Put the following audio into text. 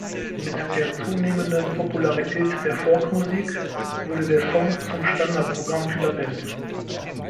Mit der zunehmenden Popularität der Folk-Musik wurde der Song zum Standardprogramm vieler Bands.